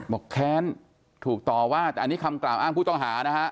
แค้นถูกต่อว่าแต่อันนี้คำกล่าวอ้างผู้ต้องหานะฮะ